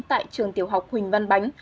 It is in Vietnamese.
tại trường tiểu học huỳnh văn bánh